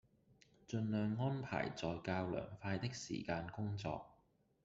盡量安排在較涼快的時間工作